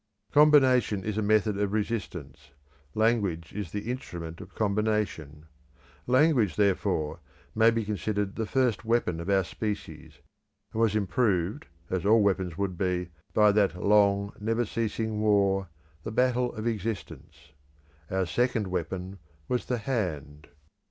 Combination is a method of resistance; language is the instrument of combination. Language, therefore, may be considered the first weapon of our species, and was improved, as all weapons would be, by that long, never ceasing war, the battle of existence. Our second weapon was the hand.